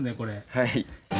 はい。